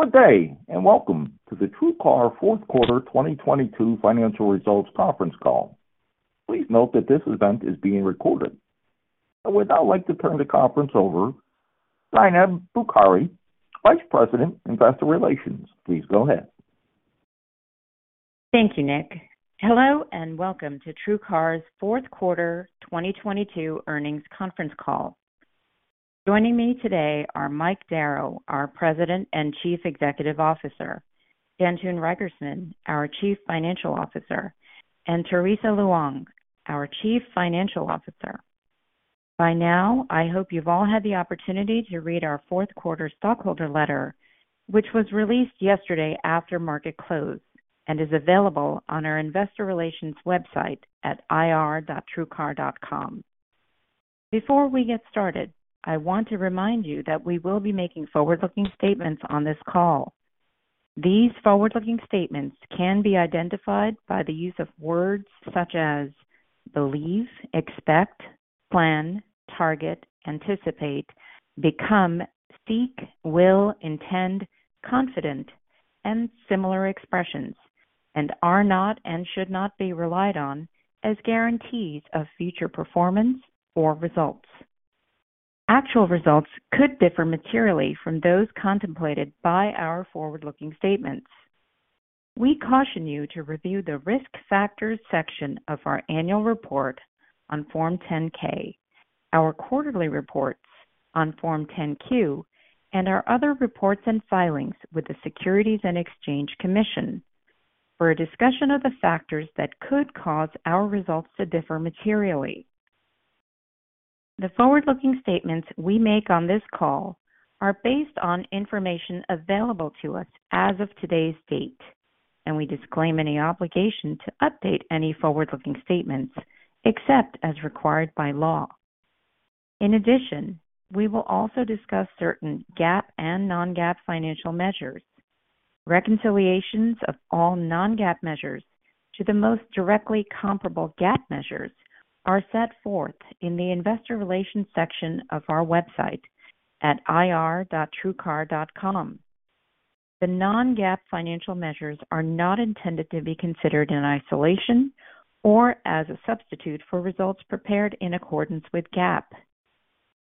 Good day, welcome to the TrueCar fourth quarter 2022 financial results conference call. Please note that this event is being recorded. I would now like to turn the conference over Zaineb Bokhari, Vice President, Investor Relations. Please go ahead. Thank you, Nick. Hello, and welcome to TrueCar's fourth quarter 2022 earnings conference call. Joining me today are Mike Darrow, our President and Chief Executive Officer, Jantoon Reigersman, our Chief Financial Officer, and Teresa Luong, our Chief Financial Officer. By now, I hope you've all had the opportunity to read our fourth quarter stockholder letter, which was released yesterday after market closed, and is available on our investor relations website at ir.truecar.com. Before we get started, I want to remind you that we will be making forward-looking statements on this call. These forward-looking statements can be identified by the use of words such as believe, expect, plan, target, anticipate, become, seek, will, intend, confident, and similar expressions, and are not and should not be relied on as guarantees of future performance or results. Actual results could differ materially from those contemplated by our forward-looking statements. We caution you to review the Risk Factors section of our annual report on Form 10-K, our quarterly reports on Form 10-Q, and our other reports and filings with the Securities and Exchange Commission for a discussion of the factors that could cause our results to differ materially. The forward-looking statements we make on this call are based on information available to us as of today's date. We disclaim any obligation to update any forward-looking statements except as required by law. In addition, we will also discuss certain GAAP and non-GAAP financial measures. Reconciliations of all non-GAAP measures to the most directly comparable GAAP measures are set forth in the Investor Relations section of our website at ir.truecar.com. The non-GAAP financial measures are not intended to be considered in isolation or as a substitute for results prepared in accordance with GAAP.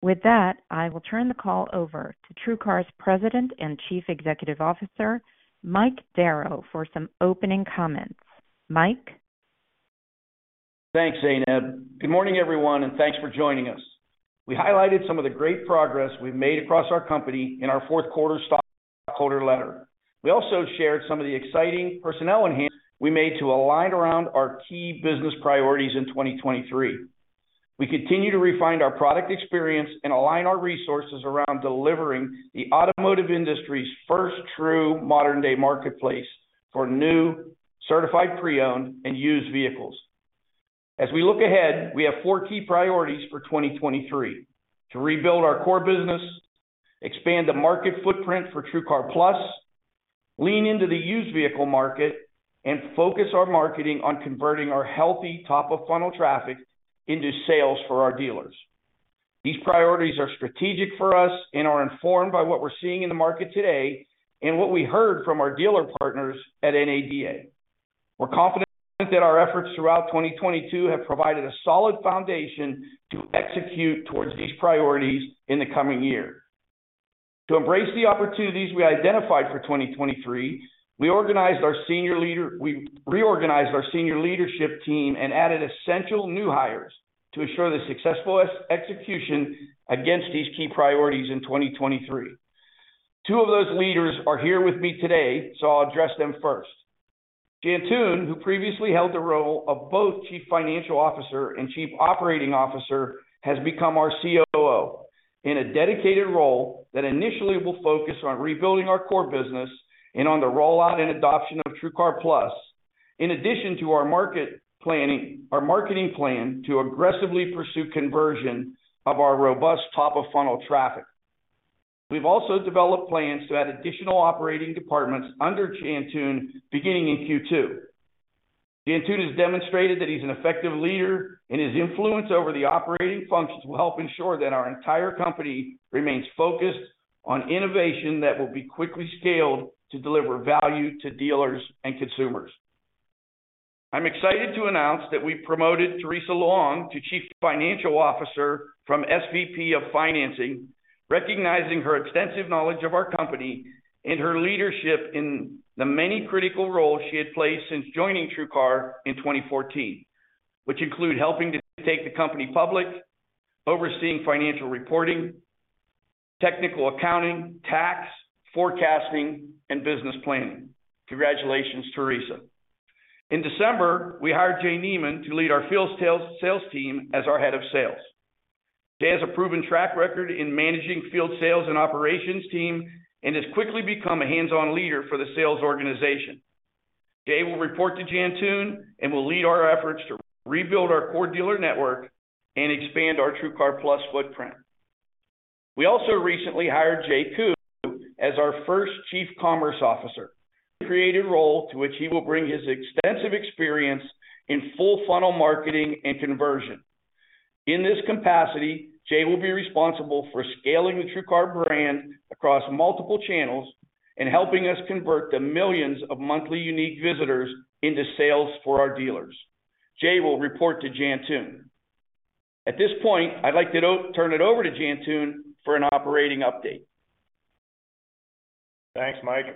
With that I will turn the call over to TrueCar's President and Chief Executive Officer, Mike Darrow, for some opening comments. Mike? Thanks, Zaineb. Good morning, everyone, and thanks for joining us. We highlighted some of the great progress we've made across our company in our fourth quarter stockholder letter. We also shared some of the exciting personnel enhancements we made to align around our key business priorities in 2023. We continue to refine our product experience and align our resources around delivering the automotive industry's first true modern-day marketplace for new, certified pre-owned, and used vehicles. As we look ahead, we have four key priorities for 2023. To rebuild our core business, expand the market footprint for TrueCar+, lean into the used vehicle market, and focus our marketing on converting our healthy top of funnel traffic into sales for our dealers. These priorities are strategic for us and are informed by what we're seeing in the market today and what we heard from our dealer partners at NADA. We're confident that our efforts throughout 2022 have provided a solid foundation to execute towards these priorities in the coming year. To embrace the opportunities we identified for 2023, we reorganized our senior leadership team and added essential new hires to ensure the successful execution against these key priorities in 2023. Two of those leaders are here with me today, so I'll address them first. Jantoon, who previously held the role of both Chief Financial Officer and Chief Operating Officer, has become our COO in a dedicated role that initially will focus on rebuilding our core business and on the rollout and adoption of TrueCar plus, in addition to our marketing plan to aggressively pursue conversion of our robust top of funnel traffic. We've also developed plans to add additional operating departments under Jantoon beginning in Q2. Jantoon has demonstrated that he's an effective leader. His influence over the operating functions will help ensure that our entire company remains focused on innovation that will be quickly scaled to deliver value to dealers and consumers. I'm excited to announce that we promoted Teresa Luong to Chief Financial Officer from SVP of Financing, recognizing her extensive knowledge of our company and her leadership in the many critical roles she had played since joining TrueCar in 2014, which include helping to take the company public, overseeing financial reporting, technical accounting, tax, forecasting, and business planning. Congratulations, Teresa. In December, we hired Jay Neman to lead our field sales team as our Head of Sales. Jay has a proven track record in managing field sales and operations team and has quickly become a hands-on leader for the sales organization. Jay will report to Jantoon and will lead our efforts to rebuild our core dealer network and expand our TrueCar+ footprint. We also recently hired Jay Ku as our first Chief Commerce Officer, a created role to which he will bring his extensive experience in full funnel marketing and conversion. In this capacity, Jay will be responsible for scaling the TrueCar brand across multiple channels and helping us convert the millions of monthly unique visitors into sales for our dealers. Jay will report to Jantoon. At this point, I'd like to turn it over to Jantoon for an operating update. Thanks, Mike.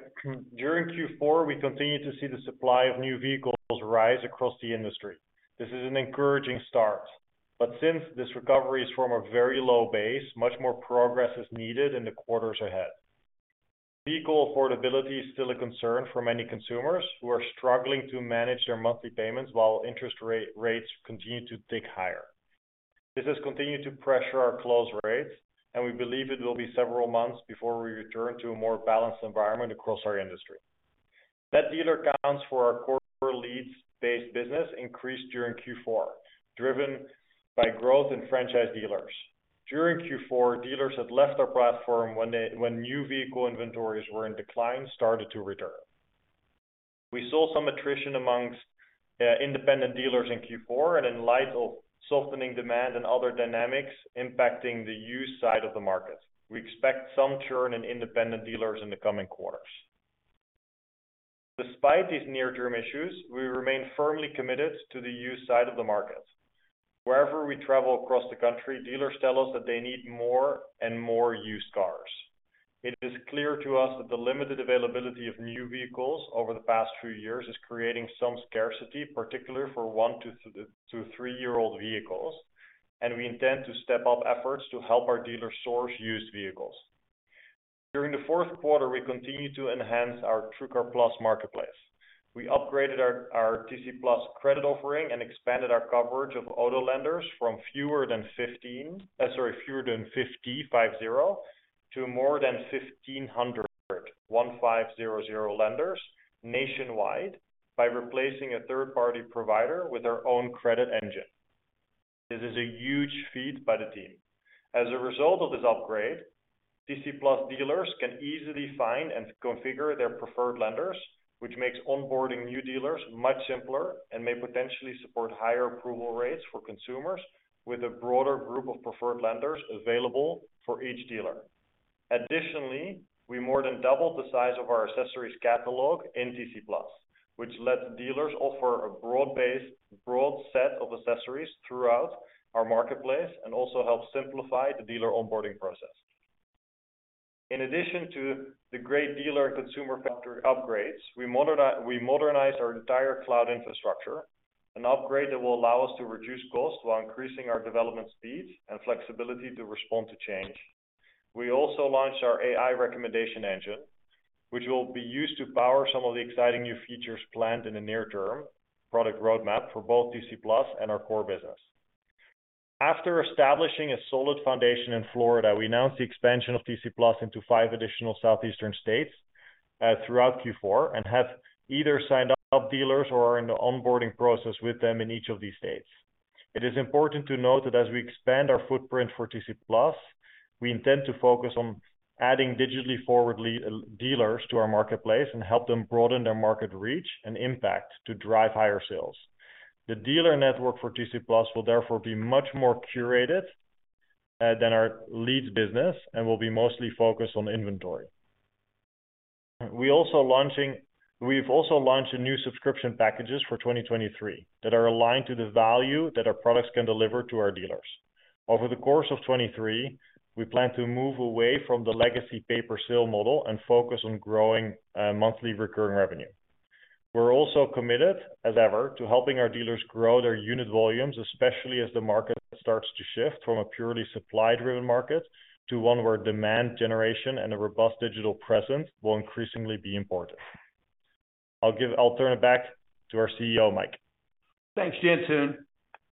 During Q4, we continued to see the supply of new vehicles rise across the industry. This is an encouraging start, since this recovery is from a very low base, much more progress is needed in the quarters ahead. Vehicle affordability is still a concern for many consumers who are struggling to manage their monthly payments while interest rates continue to tick higher. This has continued to pressure our close rates. We believe it will be several months before we return to a more balanced environment across our industry. Net dealer accounts for our core leads-based business increased during Q4, driven by growth in franchise dealers. During Q4, dealers that left our platform when new vehicle inventories were in decline, started to return. We saw some attrition amongst independent dealers in Q4. In light of softening demand and other dynamics impacting the used side of the market, we expect some churn in independent dealers in the coming quarters. Despite these near-term issues, we remain firmly committed to the used side of the market. Wherever we travel across the country, dealers tell us that they need more and more used cars. It is clear to us that the limited availability of new vehicles over the past few years is creating some scarcity, particularly for one to three-year-old vehicles. We intend to step up efforts to help our dealers source used vehicles. During the fourth quarter, we continued to enhance our TrueCar+ marketplace. We upgraded our TrueCar+ credit offering and expanded our coverage of auto lenders from fewer than 15. Sorry, fewer than 50 to more than 1,500 lenders nationwide by replacing a third-party provider with our own credit engine. This is a huge feat by the team. As a result of this upgrade, TrueCar+ dealers can easily find and configure their preferred lenders, which makes onboarding new dealers much simpler and may potentially support higher approval rates for consumers with a broader group of preferred lenders available for each dealer. Additionally, we more than doubled the size of our accessories catalog in TrueCar+, which lets dealers offer a broad-based, broad set of accessories throughout our marketplace and also helps simplify the dealer onboarding process. In addition to the great dealer and consumer factory upgrades, we modernized our entire cloud infrastructure, an upgrade that will allow us to reduce costs while increasing our development speed and flexibility to respond to change. We also launched our AI recommendation engine, which will be used to power some of the exciting new features planned in the near term product roadmap for both TC Plus and our core business. After establishing a solid foundation in Florida, we announced the expansion of TC Plus into 5 additional southeastern states throughout Q4 and have either signed up dealers or are in the onboarding process with them in each of these states. It is important to note that as we expand our footprint for TrueCar+, we intend to focus on adding digitally forward dealers to our marketplace and help them broaden their market reach and impact to drive higher sales. The dealer network for TrueCar+ will therefore be much more curated than our leads business and will be mostly focused on inventory. We've also launched new subscription packages for 2023 that are aligned to the value that our products can deliver to our dealers. Over the course of 2023, we plan to move away from the legacy pay-per-sale model and focus on growing monthly recurring revenue. We're also committed as ever to helping our dealers grow their unit volumes, especially as the market starts to shift from a purely supply-driven market to one where demand generation and a robust digital presence will increasingly be important. I'll turn it back to our CEO, Mike. Thanks, Jantoon.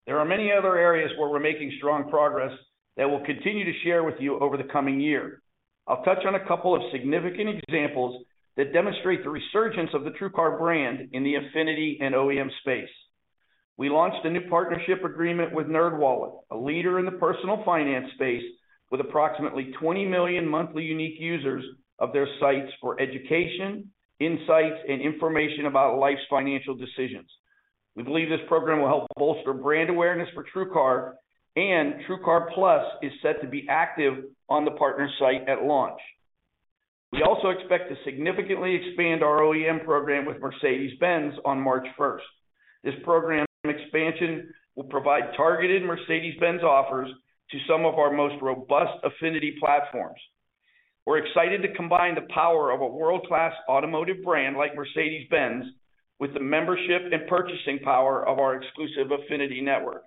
There are many other areas where we're making strong progress that we'll continue to share with you over the coming year. I'll touch on a couple of significant examples that demonstrate the resurgence of the TrueCar brand in the affinity and OEM space. We launched a new partnership agreement with NerdWallet, a leader in the personal finance space with approximately 20 million monthly unique users of their sites for education, insights, and information about life's financial decisions. We believe this program will help bolster brand awareness for TrueCar, and TrueCar+ is set to be active on the partner site at launch. We also expect to significantly expand our OEM program with Mercedes-Benz on March 1st. This program expansion will provide targeted Mercedes-Benz offers to some of our most robust affinity platforms. We're excited to combine the power of a world-class automotive brand like Mercedes-Benz with the membership and purchasing power of our exclusive affinity network.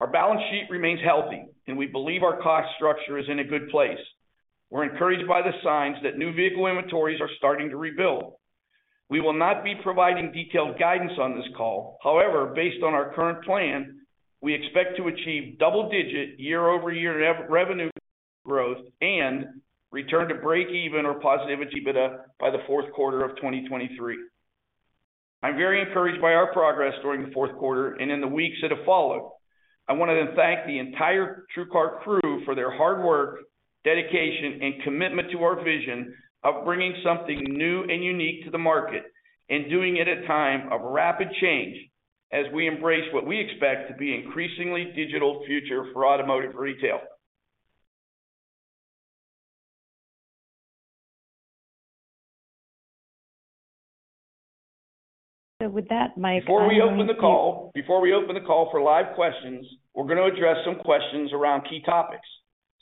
Our balance sheet remains healthy, and we believe our cost structure is in a good place. We're encouraged by the signs that new vehicle inventories are starting to rebuild. We will not be providing detailed guidance on this call. However, based on our current plan, we expect to achieve double-digit year-over-year revenue growth and return to breakeven or positivity by the fourth quarter of 2023. I'm very encouraged by our progress during the fourth quarter and in the weeks that have followed. I wanted to thank the entire TrueCar crew for their hard work-dedication and commitment to our vision of bringing something new and unique to the market and doing it at a time of rapid change as we embrace what we expect to be increasingly digital future for automotive retail. With that, Mike, I want. Before we open the call for live questions, we're going to address some questions around key topics.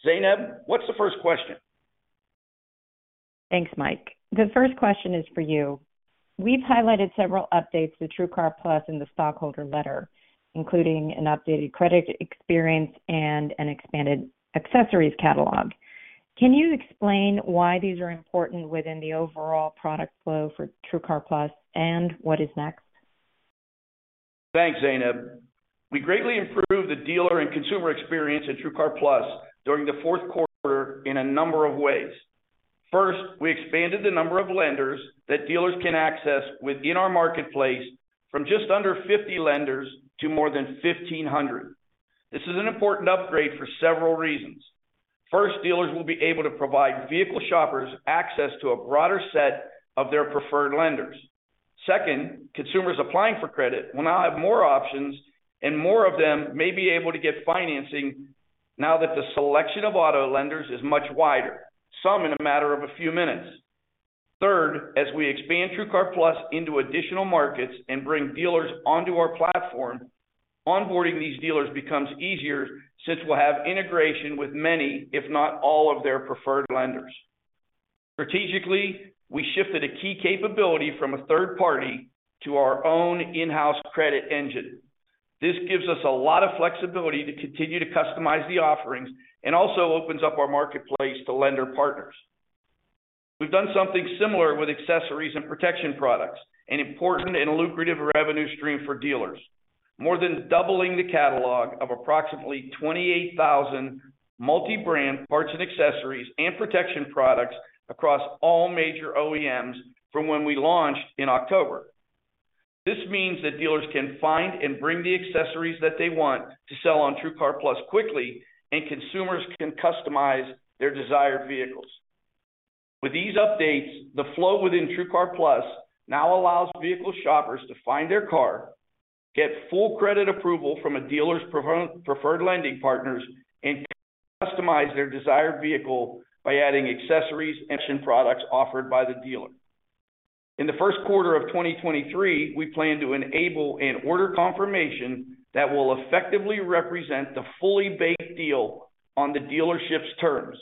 Zaineb, what's the first question? Thanks, Mike. The first question is for you. We've highlighted several updates to TrueCar+ in the stockholder letter, including an updated credit experience and an expanded accessories catalog. Can you explain why these are important within the overall product flow for TrueCar+ and what is next? Thanks, Zaineb. We greatly improved the dealer and consumer experience at TrueCar+ during the fourth quarter in a number of ways. First, we expanded the number of lenders that dealers can access within our marketplace from just under 50 lenders to more than 1,500. This is an important upgrade for several reasons. First, dealers will be able to provide vehicle shoppers access to a broader set of their preferred lenders. Second, consumers applying for credit will now have more options, and more of them may be able to get financing now that the selection of auto lenders is much wider, some in a matter of a few minutes. Third, as we expand TrueCar+ into additional markets and bring dealers onto our platform, onboarding these dealers becomes easier since we'll have integration with many, if not all, of their preferred lenders. Strategically, we shifted a key capability from a third party to our own in-house credit engine. This gives us a lot of flexibility to continue to customize the offerings and also opens up our marketplace to lender partners. We've done something similar with accessories and protection products, an important and lucrative revenue stream for dealers, more than doubling the catalog of approximately 28,000 multi-brand parts and accessories and protection products across all major OEMs from when we launched in October. This means that dealers can find and bring the accessories that they want to sell on TrueCar+ quickly, and consumers can customize their desired vehicles. With these updates, the flow within TrueCar+ now allows vehicle shoppers to find their car, get full credit approval from a dealer's preferred lending partners, and customize their desired vehicle by adding accessories and protection products offered by the dealer. In the first quarter of 2023, we plan to enable an order confirmation that will effectively represent the fully baked deal on the dealership's terms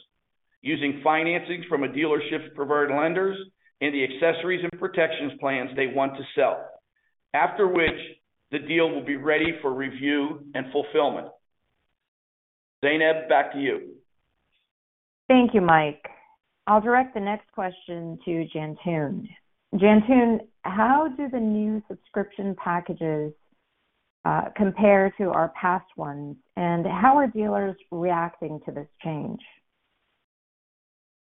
using financings from a dealership's preferred lenders and the accessories and protections plans they want to sell. After which, the deal will be ready for review and fulfillment. Zaineb, back to you. Thank you, Mike. I'll direct the next question to Jantoon. Jantoon, how do the new subscription packages compare to our past ones? How are dealers reacting to this change?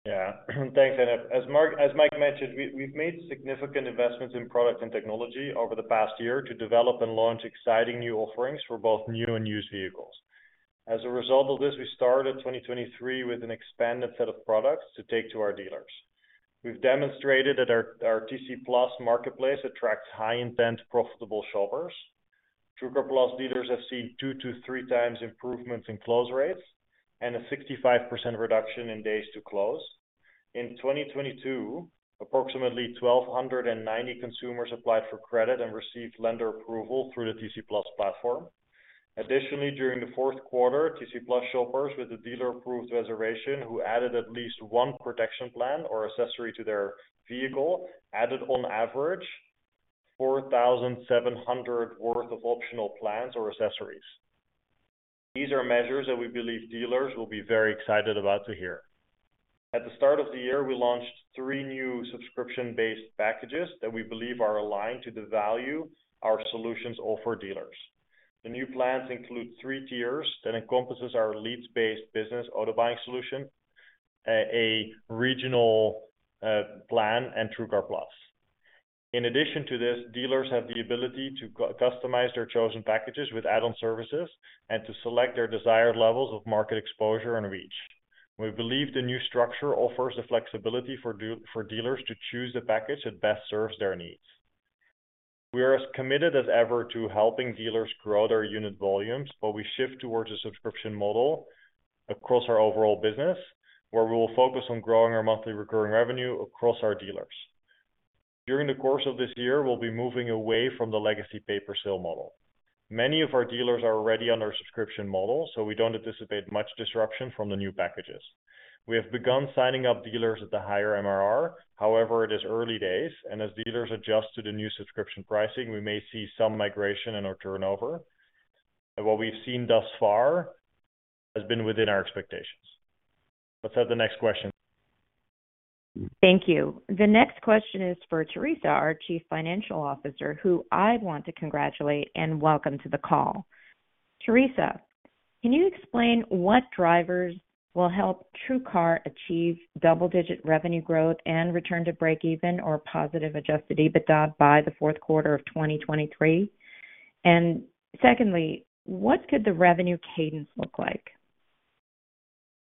Yeah. Thanks, Zaineb. As Mike mentioned, we've made significant investments in product and technology over the past year to develop and launch exciting new offerings for both new and used vehicles. A result of this, we started 2023 with an expanded set of products to take to our dealers. We've demonstrated that our TC Plus marketplace attracts high-intent profitable shoppers. TrueCar Plus dealers have seen two to three times improvements in close rates and a 65% reduction in days to close. In 2022, approximately 1,290 consumers applied for credit and received lender approval through the TC Plus platform. During the fourth quarter, TC Plus shoppers with a dealer-approved reservation who added at least one protection plan or accessory to their vehicle added on average $4,700 worth of optional plans or accessories. These are measures that we believe dealers will be very excited about to hear. At the start of the year, we launched three new subscription-based packages that we believe are aligned to the value our solutions offer dealers. The new plans include three tiers that encompasses our leads-based business auto-buying solution, a regional plan, and TrueCar Plus. In addition to this, dealers have the ability to customize their chosen packages with add-on services and to select their desired levels of market exposure and reach. We believe the new structure offers the flexibility for dealers to choose the package that best serves their needs. We are as committed as ever to helping dealers grow their unit volumes. We shift towards a subscription model across our overall business, where we will focus on growing our monthly recurring revenue across our dealers. During the course of this year, we'll be moving away from the legacy pay-per-sale model. Many of our dealers are already on our subscription model. We don't anticipate much disruption from the new packages. We have begun signing up dealers at the higher MRR. It is early days, and as dealers adjust to the new subscription pricing, we may see some migration in our turnover. What we've seen thus far has been within our expectations. Let's have the next question. Thank you. The next question is for Teresa, our Chief Financial Officer, who I want to congratulate and welcome to the call. Teresa, can you explain what drivers will help TrueCar achieve double-digit revenue growth and return to breakeven or positive adjusted EBITDA by the fourth quarter of 2023? Secondly, what could the revenue cadence look like?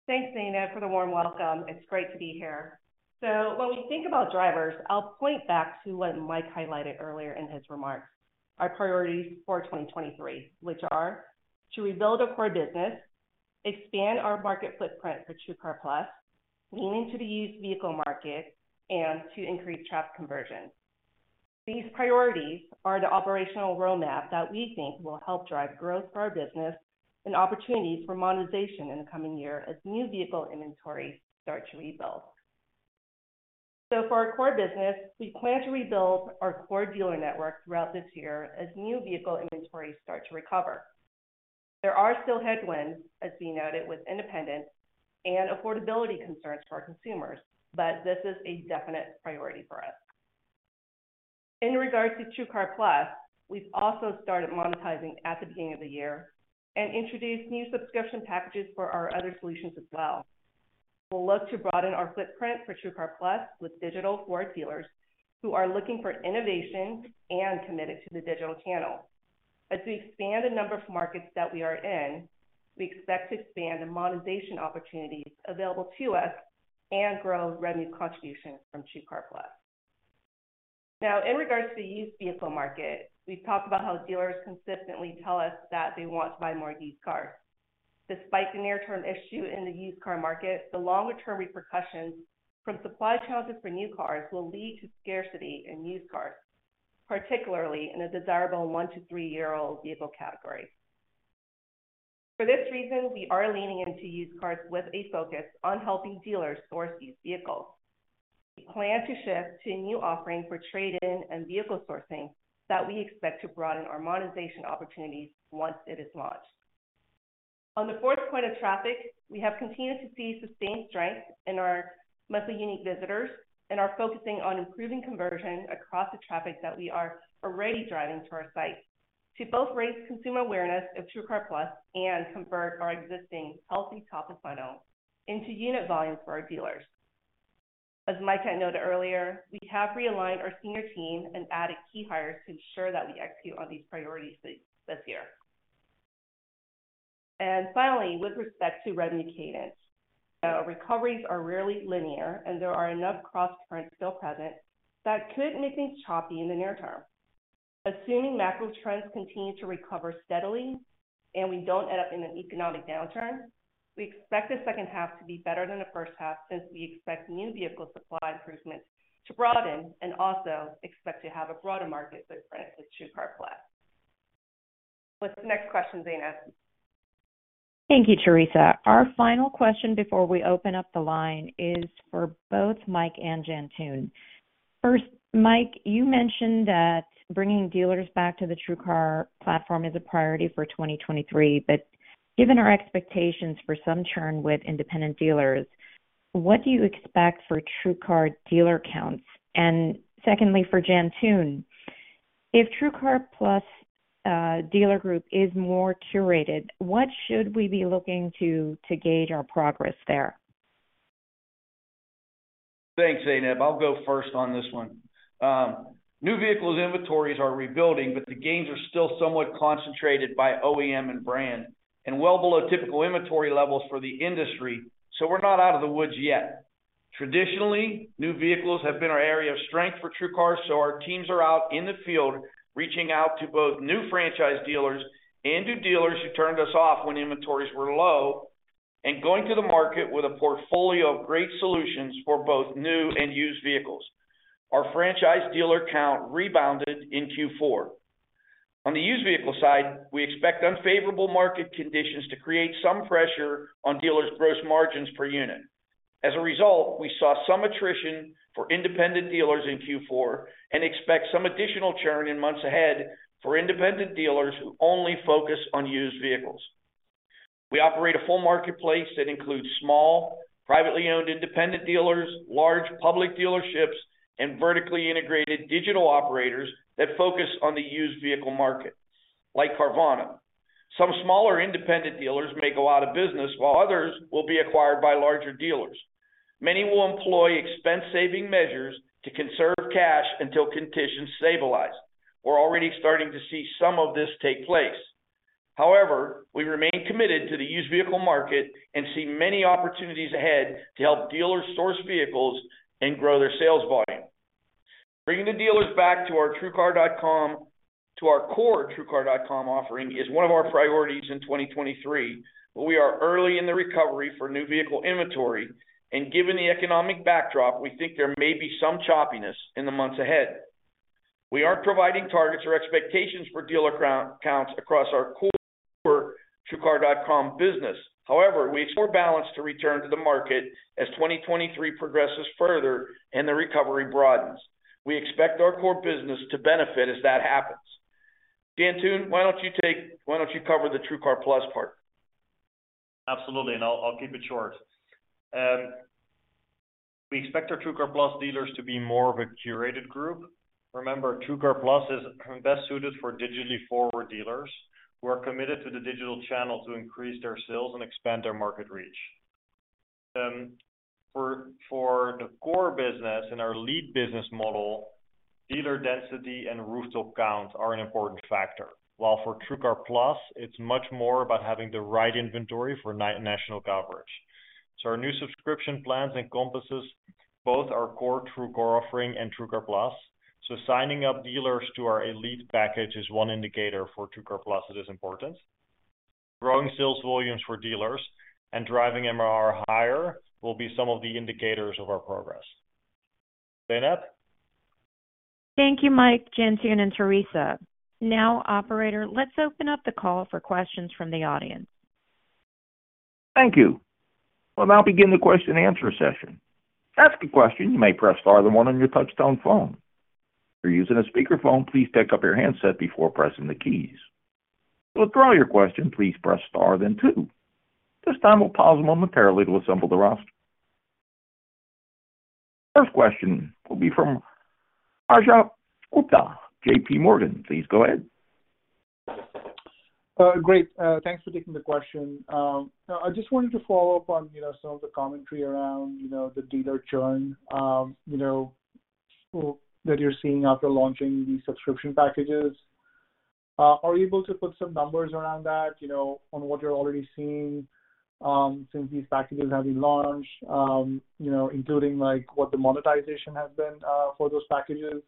Thanks, Zaineb, for the warm welcome. It's great to be here. When we think about drivers, I'll point back to what Mike highlighted earlier in his remarks, our priorities for 2023, which are to rebuild our core business, expand our market footprint for TrueCar+, lean into the used vehicle market, and to increase traffic conversion. These priorities are the operational roadmap that we think will help drive growth for our business and opportunities for monetization in the coming year as new vehicle inventories start to rebuild. For our core business, we plan to rebuild our core dealer network throughout this year as new vehicle inventories start to recover. There are still headwinds, as we noted, with independents and affordability concerns for our consumers, this is a definite priority for us. In regards to TrueCar Plus, we've also started monetizing at the beginning of the year and introduced new subscription packages for our other solutions as well. We'll look to broaden our footprint for TrueCar Plus with digital forward dealers who are looking for innovation and committed to the digital channel. As we expand the number of markets that we are in, we expect to expand the monetization opportunities available to us and grow revenue contribution from TrueCar Plus. Now in regards to the used vehicle market, we've talked about how dealers consistently tell us that they want to buy more used cars. Despite the near-term issue in the used car market, the longer-term repercussions from supply challenges for new cars will lead to scarcity in used cars, particularly in the desirable one-to-three-year-old vehicle category. For this reason, we are leaning into used cars with a focus on helping dealers source these vehicles. We plan to shift to a new offering for trade-in and vehicle sourcing that we expect to broaden our monetization opportunities once it is launched. On the fourth point of traffic, we have continued to see sustained strength in our monthly unique visitors and are focusing on improving conversion across the traffic that we are already driving to our site to both raise consumer awareness of TrueCar+ and convert our existing healthy top of funnel into unit volume for our dealers. As Mike had noted earlier, we have realigned our senior team and added key hires to ensure that we execute on these priorities this year. Finally, with respect to revenue cadence, recoveries are rarely linear, and there are enough cross-currents still present that could make things choppy in the near term. Assuming macro trends continue to recover steadily and we don't end up in an economic downturn, we expect the second half to be better than the first half since we expect new vehicle supply improvements to broaden and also expect to have a broader market footprint with TrueCar Plus. What's the next question, Zaineb? Thank you, Teresa. Our final question before we open up the line is for both Mike and Jantoon. First, Mike, you mentioned that bringing dealers back to the TrueCar platform is a priority for 2023. Given our expectations for some churn with independent dealers, what do you expect for TrueCar dealer counts? Secondly, for Jantoon, if TrueCar+ dealer group is more curated, what should we be looking to gauge our progress there? Thanks, Zaineb. I'll go first on this one. New vehicles inventories are rebuilding, the gains are still somewhat concentrated by OEM and brand and well below typical inventory levels for the industry. We're not out of the woods yet. Traditionally, new vehicles have been our area of strength for TrueCar, our teams are out in the field reaching out to both new franchise dealers and new dealers who turned us off when inventories were low and going to the market with a portfolio of great solutions for both new and used vehicles. Our franchise dealer count rebounded in Q4. On the used vehicle side, we expect unfavorable market conditions to create some pressure on dealers' gross margins per unit. We saw some attrition for independent dealers in Q4 and expect some additional churn in months ahead for independent dealers who only focus on used vehicles. We operate a full marketplace that includes small, privately owned independent dealers, large public dealerships, and vertically integrated digital operators that focus on the used vehicle market, like Carvana. Some smaller independent dealers make a lot of business, while others will be acquired by larger dealers. Many will employ expense-saving measures to conserve cash until conditions stabilize. We're already starting to see some of this take place. However, we remain committed to the used vehicle market and see many opportunities ahead to help dealers source vehicles and grow their sales volume. Bringing the dealers back to our core TrueCar.com offering is one of our priorities in 2023. We are early in the recovery for new vehicle inventory, and given the economic backdrop, we think there may be some choppiness in the months ahead. We aren't providing targets or expectations for dealer count across our core TrueCar.com business. However, we expect more balance to return to the market as 2023 progresses further and the recovery broadens. We expect our core business to benefit as that happens. Jantoon, why don't you cover the TrueCar Plus part? Absolutely. I'll keep it short. We expect our TrueCar Plus dealers to be more of a curated group. Remember, TrueCar Plus is best suited for digitally forward dealers who are committed to the digital channel to increase their sales and expand their market reach. For the core business and our lead business model, dealer density and rooftop counts are an important factor. While for TrueCar Plus, it's much more about having the right inventory for national coverage. Our new subscription plans encompasses both our core TrueCar offering and TrueCar Plus. Signing up dealers to our Elite package is one indicator for TrueCar Plus, it is important. Growing sales volumes for dealers and driving MRR higher will be some of the indicators of our progress. Zaineb? Thank you, Mike, Jantoon, and Teresa. operator, let's open up the call for questions from the audience. Thank you. We'll now begin the question and answer session. To ask a question, you may press star then one on your touch-tone phone. If you're using a speakerphone, please pick up your handset before pressing the keys. To withdraw your question, please press star then two. At this time, we'll pause momentarily to assemble the roster. First question will be from Rajat Gupta, JPMorgan. Please go ahead. Great. Thanks for taking the question. I just wanted to follow up on, you know, some of the commentary around, you know, the dealer churn, you know, that you're seeing after launching these subscription packages. Are you able to put some numbers around that, you know, on what you're already seeing, since these packages have been launched, you know, including, like, what the monetization has been, for those packages?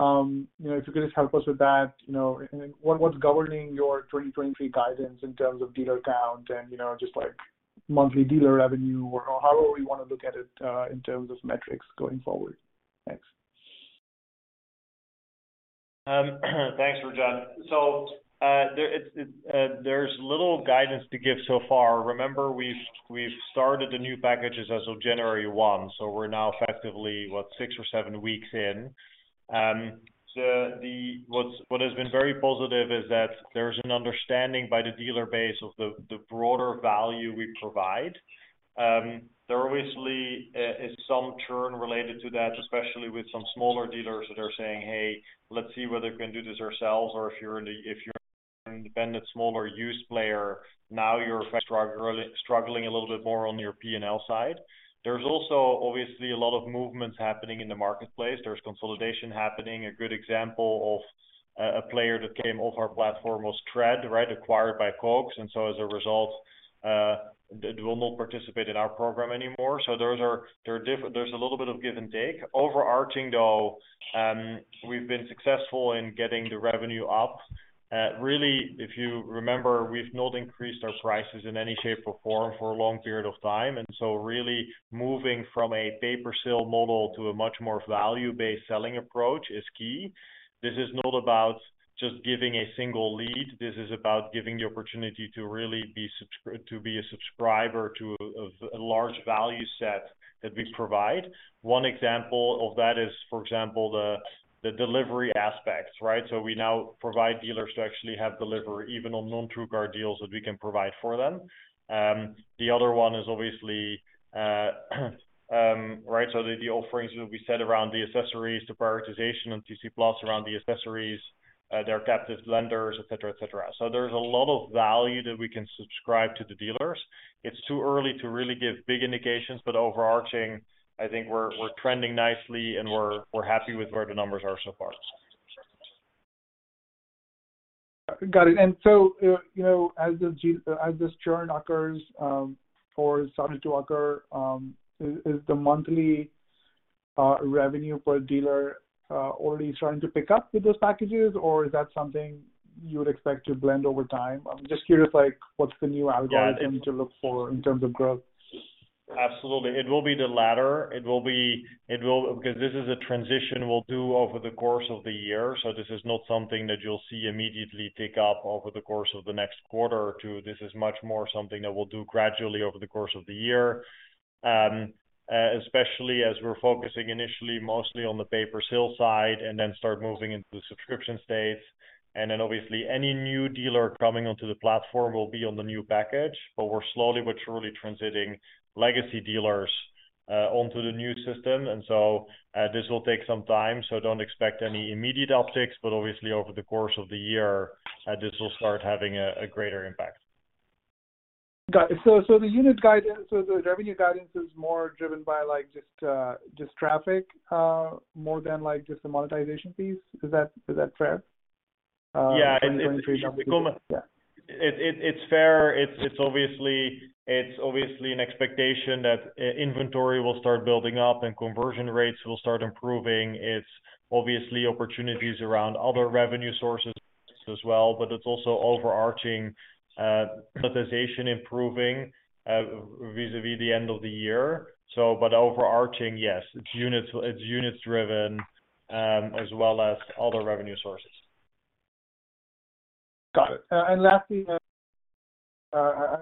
You know, if you could just help us with that, you know. What, what's governing your 2023 guidance in terms of dealer count and, you know, just like monthly dealer revenue or however you wanna look at it, in terms of metrics going forward? Thanks. Thanks, Rajat. There's little guidance to give so far. Remember, we've started the new packages as of January 1 2025, so we're now effectively, what? six or seven weeks in. What has been very positive is that there's an understanding by the dealer base of the broader value we provide. There obviously is some churn related to that, especially with some smaller dealers that are saying, "Hey, let's see whether we can do this ourselves." If you're an independent smaller used player, now you're struggling a little bit more on your P&L side. There's also, obviously, a lot of movements happening in the marketplace. There's consolidation happening. A good example of a player that came off our platform was Trudell, right? Acquired by Cox. As a result, they will not participate in our program anymore. Those are there's a little bit of give and take. Overarching, though, we've been successful in getting the revenue up. Really, if you remember, we've not increased our prices in any shape or form for a long period of time, really moving from a pay-per-sale model to a much more value-based selling approach is key. This is not about just giving a single lead. This is about giving the opportunity to really be to be a subscriber to a large value set that we provide. One example of that is, for example, the delivery aspects, right? We now provide dealers to actually have delivery even on non-TrueCar deals that we can provide for them. The other one is obviously, right, so the offerings that we set around the accessories, the prioritization on TC Plus around the accessories, their captive lenders, et cetera, et cetera. There's a lot of value that we can subscribe to the dealers. It's too early to really give big indications, but overarching, I think we're trending nicely and we're happy with where the numbers are so far. Got it. You know, as this churn occurs, or started to occur, is the monthly revenue per dealer already starting to pick up with those packages or is that something you would expect to blend over time? I'm just curious, like, what's the new algorithm to look for in terms of growth? Absolutely. It will be the latter. It will... 'Cause this is a transition we'll do over the course of the year, so this is not something that you'll see immediately tick up over the course of the next quarter or two. This is much more something that we'll do gradually over the course of the year. Especially as we're focusing initially mostly on the pay-per-sale side and then start moving into the subscription stage. Then obviously, any new dealer coming onto the platform will be on the new package. We're slowly but surely transiting legacy dealers onto the new system. So, this will take some time, so don't expect any immediate upticks. Obviously, over the course of the year, this will start having a greater impact. Got it. The revenue guidance is more driven by, like, just traffic, more than, like, just the monetization piece. Is that fair? It's fair. It's obviously an expectation that inventory will start building up and conversion rates will start improving. It's obviously opportunities around other revenue sources as well, but it's also overarching monetization improving vis-a-vis the end of the year. But overarching, yes. It's units driven as well as other revenue sources. Got it. Lastly, I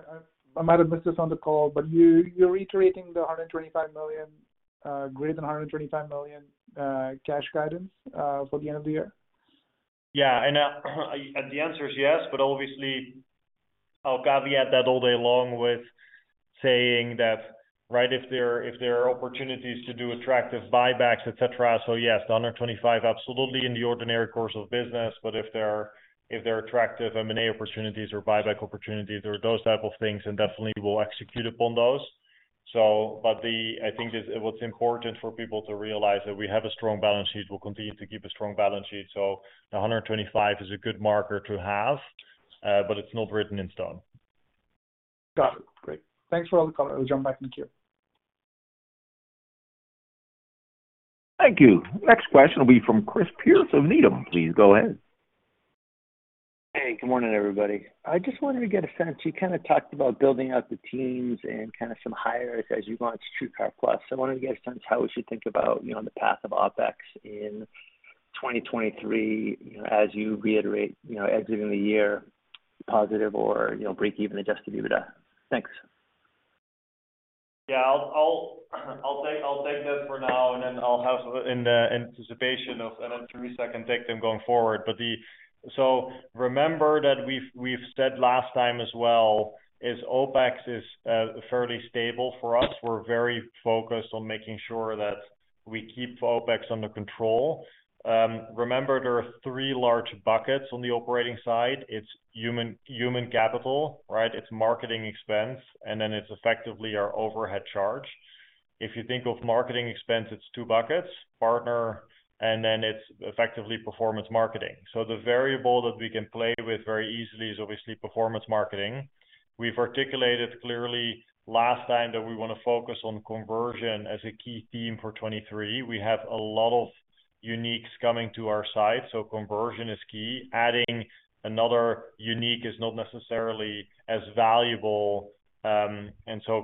might have missed this on the call, but you're reiterating the $125 million, greater than $125 million, cash guidance for the end of the year? Yeah. And the answer is yes, but obviously I'll caveat that all day long with saying that, right, if there are opportunities to do attractive buybacks, et cetera. Yes, the $125 absolutely in the ordinary course of business, but if there are attractive M&A opportunities or buyback opportunities or those type of things, then definitely we'll execute upon those. But the, I think what's important for people to realize that we have a strong balance sheet. We'll continue to keep a strong balance sheet. The $125 is a good marker to have, but it's not written in stone. Got it. Great. Thanks for all the color. I'll jump back in the queue. Thank you. Next question will be from Chris Pierce of Needham. Please go ahead. Hey, good morning, everybody. I just wanted to get a sense. You kind of talked about building out the teams and kind of some hires as you launch TrueCar Plus. I wanted to get a sense how we should think about, you know, the path of OpEx in 2023, you know, as you reiterate, you know, exiting the year positive or, you know, breakeven adjusted EBITDA. Thanks. Yeah. I'll take that for now, and then I'll have in the anticipation of. Teresa can take them going forward. Remember that we've said last time as well is OpEx is fairly stable for us. We're very focused on making sure that we keep OpEx under control. Remember there are three large buckets on the operating side. It's human capital, right? It's marketing expense, and then it's effectively our overhead charge. If you think of marketing expense, it's two buckets, partner, and then it's effectively performance marketing. The variable that we can play with very easily is obviously performance marketing. We've articulated clearly last time that we wanna focus on conversion as a key theme for 2023. We have a lot of uniques coming to our site, so conversion is key. Adding another unique is not necessarily as valuable,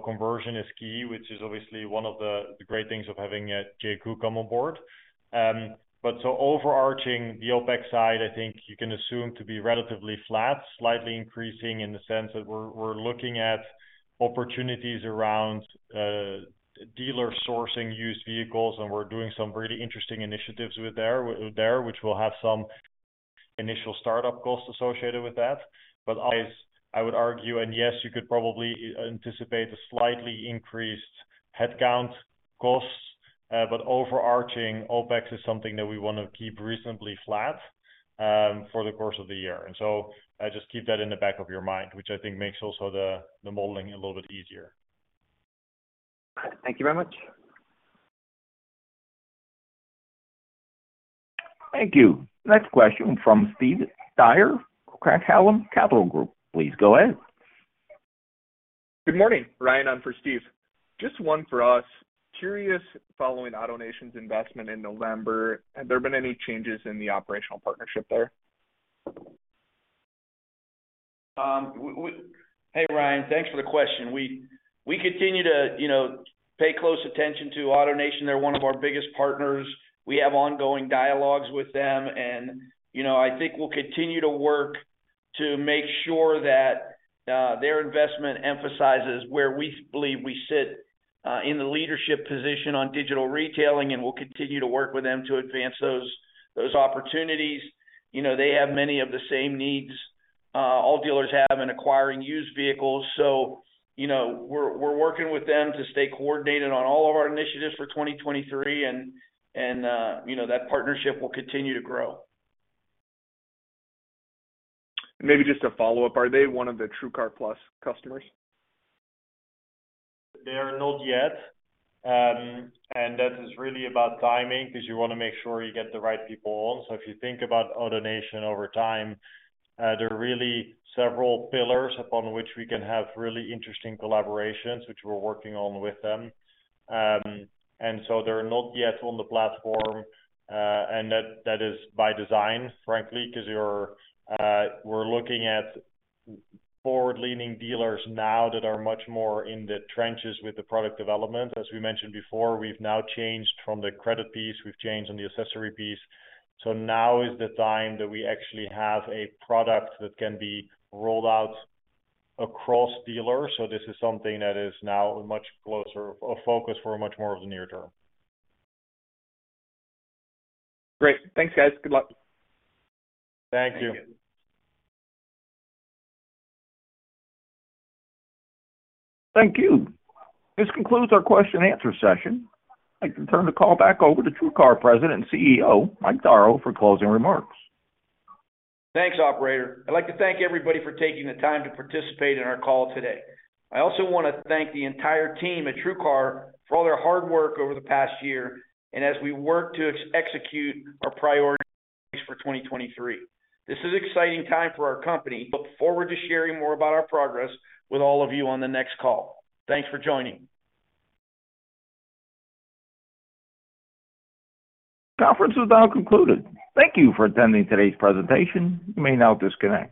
conversion is key, which is obviously one of the great things of having Jay Ku come on board. Overarching the OpEx side, I think you can assume to be relatively flat, slightly increasing in the sense that we're looking at opportunities around dealer sourcing used vehicles, and we're doing some really interesting initiatives with there, which will have some initial startup costs associated with that. I would argue and yes, you could probably anticipate a slightly increased headcount costs, but overarching OpEx is something that we wanna keep reasonably flat for the course of the year. Just keep that in the back of your mind, which I think makes also the modeling a little bit easier. Thank you very much. Thank you. Next question from Steve Dyer, Craig-Hallum Capital Group. Please go ahead. Good morning. Ryan on for Steve. Just one for us. Curious, following AutoNation's investment in November, have there been any changes in the operational partnership there? Hey, Ryan, thanks for the question. We continue to, you know, pay close attention to AutoNation. They're one of our biggest partners. We have ongoing dialogues with them and, you know, I think we'll continue to work to make sure that their investment emphasizes where we believe we sit in the leadership position on digital retailing, and we'll continue to work with them to advance those opportunities. You know, they have many of the same needs all dealers have in acquiring used vehicles. You know, we're working with them to stay coordinated on all of our initiatives for 2023 and, you know, that partnership will continue to grow. Maybe just a follow-up. Are they one of the TrueCar Plus customers? They are not yet. That is really about timing 'cause you wanna make sure you get the right people on. If you think about AutoNation over time, there are really several pillars upon which we can have really interesting collaborations, which we're working on with them. They're not yet on the platform, and that is by design, frankly, 'cause you're, we're looking at forward-leaning dealers now that are much more in the trenches with the product development. As we mentioned before, we've now changed from the credit piece, we've changed on the accessory piece. Now is the time that we actually have a product that can be rolled out across dealers. This is something that is now much closer, a focus for much more of the near term. Great. Thanks, guys. Good luck. Thank you. Thank you. This concludes our question and answer session. I'd like to turn the call back over to TrueCar President and CEO, Mike Darrow, for closing remarks. Thanks, operator. I'd like to thank everybody for taking the time to participate in our call today. I also wanna thank the entire team at TrueCar for all their hard work over the past year and as we work to execute our priorities for 2023. This is exciting time for our company. Look forward to sharing more about our progress with all of you on the next call. Thanks for joining. Conference is now concluded. Thank you for attending today's presentation. You may now disconnect.